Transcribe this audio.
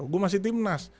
gue masih timnas